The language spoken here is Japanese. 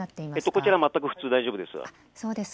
こちらは全く普通で大丈夫です。